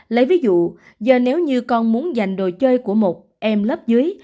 lấy ví dụ giờ nếu như con muốn dành đồ chơi của một em lớp dưới